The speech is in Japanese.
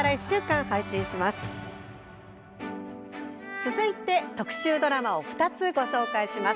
続いて特集ドラマを２つご紹介します。